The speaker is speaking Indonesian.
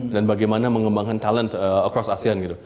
dan bagaimana mengembangkan talent across asean gitu